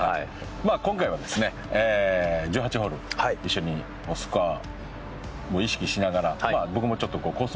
まあ今回はですね１８ホール一緒にスコアも意識しながら僕もちょっとコース